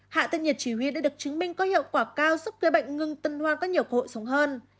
hạ tân nhiệt chỉ huy đã được chứng minh có hiệu quả cao giúp người bệnh ngừng tần hoa có nhiều khổ sống hơn